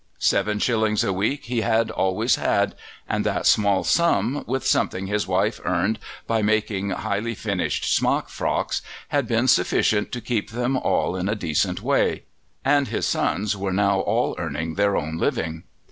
Seven shillings a week he had always had; and that small sum, with something his wife earned by making highly finished smock frocks, had been sufficient to keep them all in a decent way; and his sons were now all earning their own living.